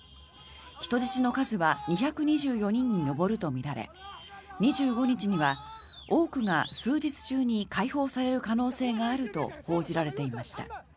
人質の数は２２４人に上るとみられ２５日には多くが数日中に解放される可能性があると報じられていました。